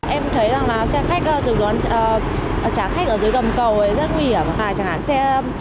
em thấy rằng là xe khách được đón trả khách ở dưới gầm cầu ấy rất nguy hiểm